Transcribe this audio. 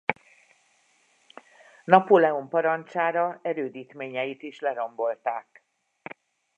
Napóleon parancsára erődítményeit is lerombolták.